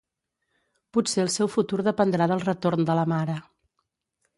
Potser el seu futur dependrà del retorn de la mare.